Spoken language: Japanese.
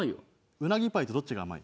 うなぎパイとどっちが甘い？